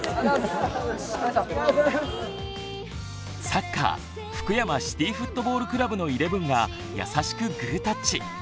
サッカー福山シティフットボールクラブのイレブンが優しくグータッチ。